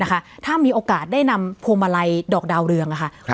ถ้ามีโอกาสได้นำพวงมาลัยดอกดาวเรืองค่ะ